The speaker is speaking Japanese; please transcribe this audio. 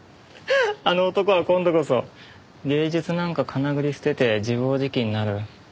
あの男は今度こそ芸術なんかかなぐり捨てて自暴自棄になる。